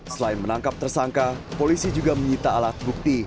selain menangkap tersangka polisi juga menyita alat bukti